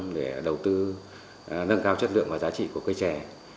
để đầu tư nâng cao chất lượng và giá trị của cây trẻ